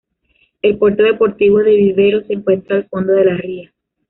El Puerto Deportivo de Vivero se encuentra al fondo de la ría.